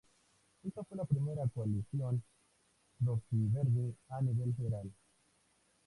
Ésta fue la primera coalición rojiverde a nivel federal.